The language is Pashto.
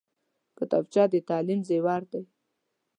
کتابچه د تعلیم زیور دی